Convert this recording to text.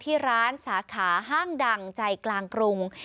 ที่ร้านสาขาห้างดังใจกลางกรุง